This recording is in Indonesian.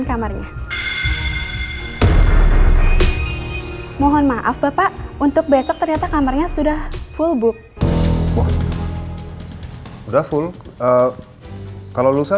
kamarnya mohon maaf bapak untuk besok ternyata kamarnya sudah full book wah udah full kalau lusa